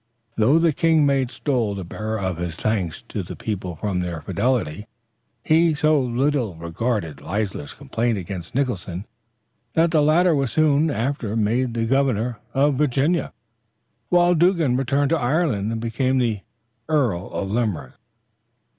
Though the king made Stoll the bearer of his thanks to the people for their fidelity, he so little regarded Leisler's complaints against Nicholson, that the latter was soon after made the governor of Virginia, while Dougan returned to Ireland and became Earl of Limerick.